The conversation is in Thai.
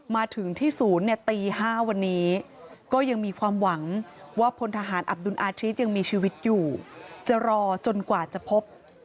มาถึงที่ศูนย์เนี่ยตี๕วันนี้ก็ยังมีความหวังว่าพลทหารอับดุลอาทิตย์ยังมีชีวิตอยู่จะรอจนกว่าจะพบ